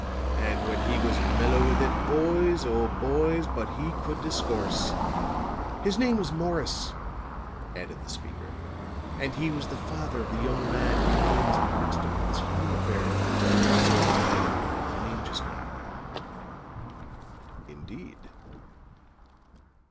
And when he was mellow with it, boys o' boys, but he could discourse! His name was Morris," added the speaker, "and he was the father of the young man whose name has been mixed up with this Hume affair which is so occupying the public mind just now." "Indeed."